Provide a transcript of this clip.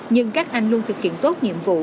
nhưng các anh luôn thực hiện tốt nhiệm vụ